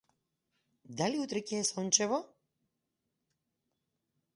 Далу утре ќе е сончево?